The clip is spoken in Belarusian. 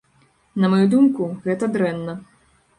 На маю думку, гэта дрэнна.